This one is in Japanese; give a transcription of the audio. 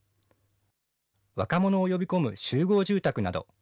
若者を呼び込む集合住宅など。